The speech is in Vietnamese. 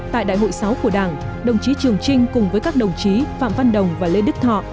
tại đại hội sáu của đảng đồng chí trường trinh cùng với các đồng chí phạm văn đồng và lê đức thọ